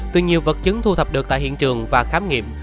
từ nhiều vật chứng thu thập được tại hiện trường và khám nghiệm